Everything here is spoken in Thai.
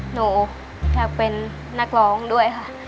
หนูอยากเป็นนักร้องด้วยค่ะ